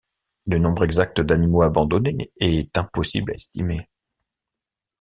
Le nombre exact d'animaux abandonnés est impossible à estimer.